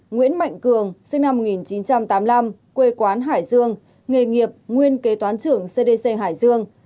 nguyễn mạnh cường sinh năm một nghìn chín trăm tám mươi năm quê quán hải dương nghề nghiệp nguyên kế toán trưởng cdc hải dương